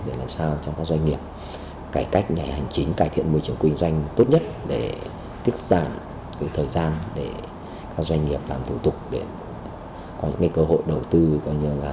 để làm sao cho các doanh nghiệp cải cách nhà hành chính cải thiện môi trường quyền doanh tốt nhất để tiết giảm thời gian để các doanh nghiệp làm thủ tục